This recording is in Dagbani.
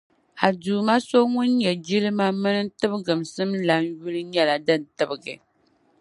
A Duuma So Ŋun nyɛ jilima mini tibiginsim lana yuli nyɛla din tibigi.